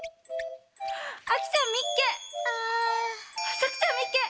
さくちゃんみっけ！